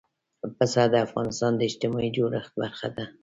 پسه د افغانستان د اجتماعي جوړښت برخه ده.